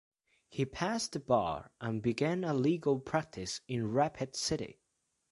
He passed the bar, and began a legal practice in Rapid City.